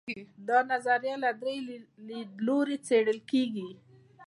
دا نظریه له درېیو لیدلورو څېړل کیږي.